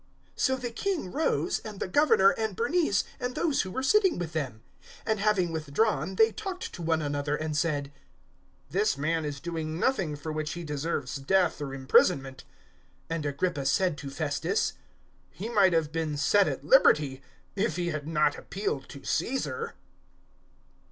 026:030 So the King rose, and the Governor, and Bernice, and those who were sitting with them; 026:031 and, having withdrawn, they talked to one another and said, "This man is doing nothing for which he deserves death or imprisonment." 026:032 And Agrippa said to Festus, "He might have been set at liberty, if he had not appealed to Caesar."